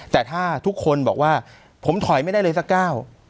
แต่ถ้าทุกคนบอกว่าผมถอยไม่ได้เลยสักก้าว